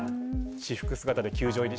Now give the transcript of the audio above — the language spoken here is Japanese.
私服姿で球場入り。